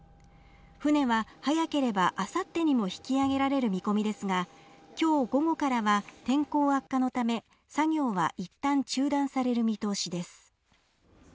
船は早ければあさってにも引き揚げられる見込みですが今日午後からは天候悪化のため作業はいったん中断される見通しです